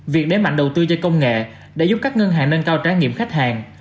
việc đếm mạnh đầu tư cho công nghệ đã giúp các ngân hàng nâng cao trái nghiệm khách hàng